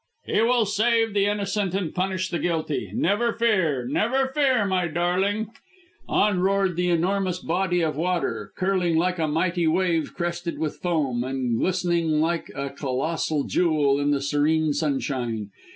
"He will save the innocent and punish the guilty. Never fear, never fear, my darling." On roared the enormous body of water, curling like a mighty wave crested with foam and glistening like a colossal jewel in the serene sunshine.